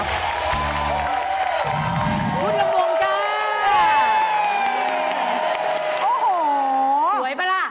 สวยป่ะล่ะ